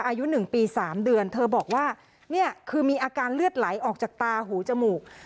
อายุ๑ปี๓เดือนเธอบอกว่าเนี่ยคือมีอาการเลือดไหลออกจากตาหูจมูก